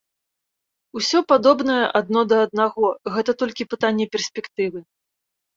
Усё падобнае адно да аднаго, гэта толькі пытанне перспектывы.